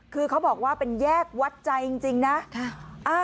คือเขาบอกว่าเป็นแยกวัดใจจริงนะ